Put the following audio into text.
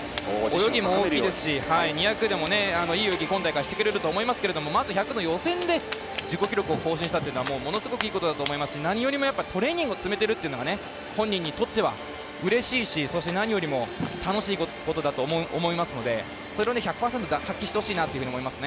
泳ぎも大きいですし、２００でもいい泳ぎ、今大会してくれると思いますがまず１００の予選で自己記録を更新したというのはものすごくいいことだと思いますし何よりもトレーニングを積めてるというのは本人にとってはうれしいしそして、何よりも楽しいことだと思いますのでそれを１００％発揮してほしいなと思います。